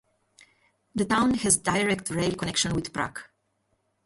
The town has direct rail connection with Prague.